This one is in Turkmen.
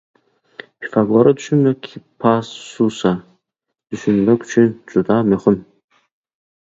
Pifagora düşünmek Hippasusa düşünmek üçin juda möhüm.